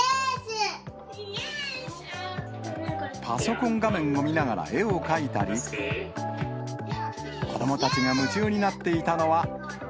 パソコン画面を見ながら絵を描いたり、子どもたちが夢中になっていたのは。